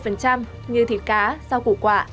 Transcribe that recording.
như thịt cá rau củ quạ